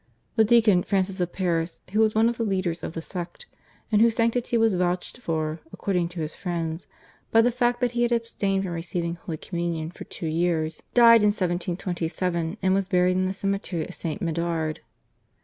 The deacon, Francis of Paris, who was one of the leaders of the sect, and whose sanctity was vouched for, according to his friends, by the fact that he had abstained from receiving Holy Communion for two years, died in 1727, and was buried in the cemetery of Saint Medard.